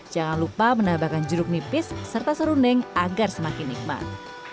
jangan lupa menambahkan jeruk nipis serta serundeng agar semakin nikmat